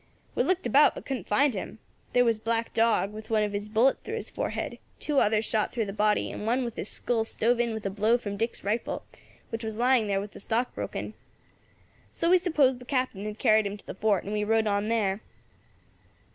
We looked about, but couldn't find him. There was Black Dog, with one of his bullets through his forehead, two others shot through the body, and one with his skull stove in with a blow from Dick's rifle, which was lying there with the stock broken. So we supposed the Captain had had him carried to the fort, and we rode on there.